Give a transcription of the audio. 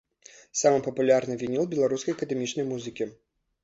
Самы папулярны вініл беларускай акадэмічнай музыкі.